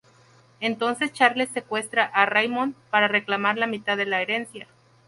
Entonces Charles 'secuestra' a Raymond, para reclamar la mitad de la herencia.